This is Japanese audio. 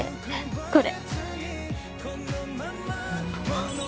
これ。